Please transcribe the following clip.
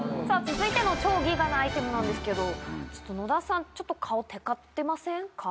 続いての超ギガなアイテムなんですけど、ちょっと野田さん、ちょっと顔てかってませんか？